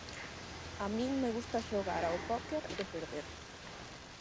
A min me gusta xogar ao póker e perder.